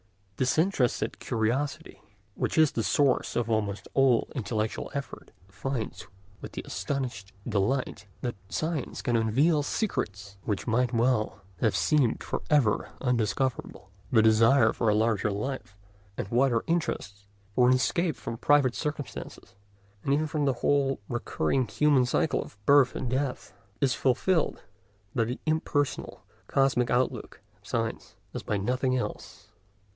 Disinterested curiosity, which is the source of almost all intellectual effort, finds with astonished delight that science can unveil secrets which might well have seemed for ever undiscoverable. The desire for a larger life and wider interests, for an escape from private circumstances, and even from the whole recurring human cycle of birth and death, is fulfilled by the impersonal cosmic outlook of science as by nothing else.